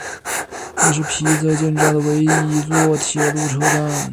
这是皮泽建造的唯一一座铁路车站。